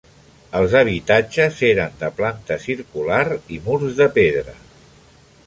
Els habitatges eren de planta circular i murs de pedra.